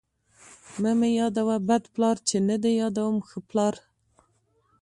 ـ مه مې يادوه بد پلار، چې نه دې يادوم ښه پلار.